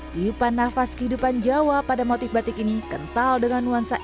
tiupan nafas kehidupan jawa pada motif batik ini kental dengan nuansa